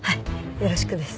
よろしくです。